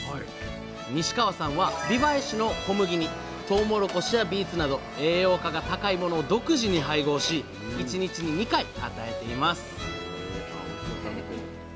西川さんは美唄市の小麦にトウモロコシやビーツなど栄養価が高いものを独自に配合し１日に２回与えています